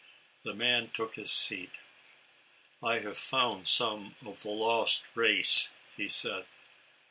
The man took a seat. " I have found some of the lost lace," he said.